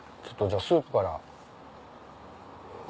ちょっとじゃあスープから。